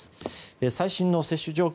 最新の接種状況